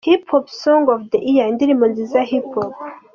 Hip Hop song of the year: Indirimbo nziza ya Hip Hop.